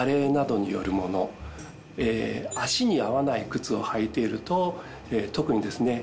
足に合わない靴を履いていると特にですね